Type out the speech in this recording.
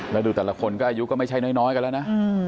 แล้วดูแต่ละคนก็อายุก็ไม่ใช่น้อยกันแล้วนะ